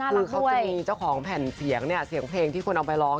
คือเขาจะมีเจ้าของแผ่นเสียงเนี่ยเสียงเพลงที่คนเอาไปร้อง